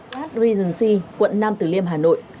phát rê dừng si quận nam tử liêm hà nội